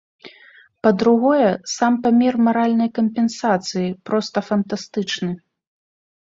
Па-другое, сам памер маральнай кампенсацыі проста фантастычны.